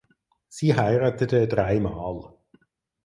Sie heiratete dreimal.